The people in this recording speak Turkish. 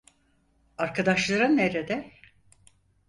Arkadaşların nerede?